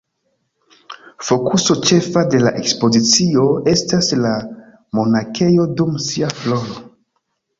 Fokuso ĉefa de la ekspozicio esta la monakejo dum sia floro.